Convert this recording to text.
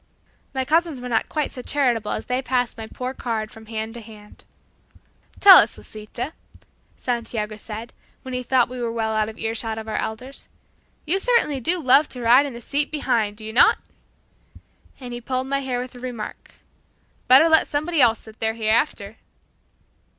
My cousins were not quite so charitable as they passed my poor card from hand to hand. "Tell us, Lisita," Santiago said, when he thought we were well out of ear shot of our elders, "you certainly do love to ride in the seat behind, do you not?" and he pulled my hair with the remark, "Better let somebody else sit there, hereafter."